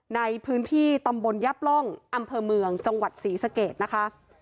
ในพื้นที่ตำบลยับร่องอำเภอเมืองจังหวัดศรีสะเกดนะคะ